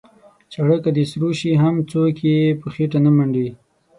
چاړه که د سرو شي هم څوک یې په خېټه نه منډي.